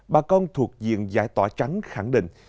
bà con thuộc diện dài tòa trắng khẳng định